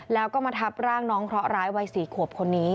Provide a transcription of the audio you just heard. แล้วก็มาทับร่างน้องเคราะหร้ายวัย๔ขวบคนนี้